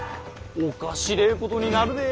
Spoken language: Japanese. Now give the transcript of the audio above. おっかしれえことになるで。